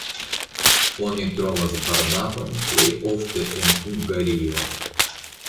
Oni trovas Barnabojn plej ofte en Hungario.